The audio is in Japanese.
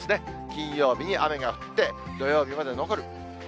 金曜日に雨が降って、土曜日まで残る。